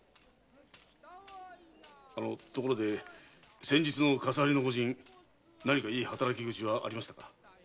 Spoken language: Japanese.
あのところで先日の傘張りのご人何かいい働き口はありましたか？